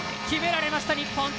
決められました、日本。